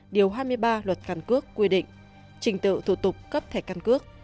điều hai mươi ba luật căn cước quy định trình tự thủ tục cấp thẻ căn cước